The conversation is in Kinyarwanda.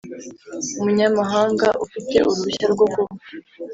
Umunyamahanga ufite uruhushya rwo kuba